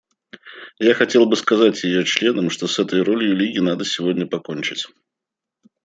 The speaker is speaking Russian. Я хотел бы сказать ее членам, что с этой ролью Лиги надо сегодня покончить.